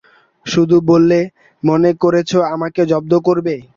শুধু বললে, মনে করেছ আমাকে জব্দ করবে?